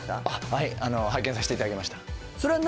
はい拝見さしていただきました